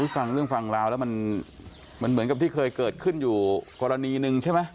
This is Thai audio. ฟังเรื่องฟังราวแล้วมันเหมือนกับที่เคยเกิดขึ้นอยู่กรณีหนึ่งใช่ไหม